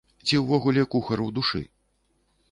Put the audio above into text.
Ці ўвогуле кухар у душы?